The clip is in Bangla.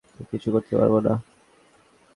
কিছুই করতে পারব না।